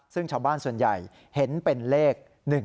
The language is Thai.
ซึ่งชาวบ้านส่วนใหญ่เห็นเป็นเลข๑๒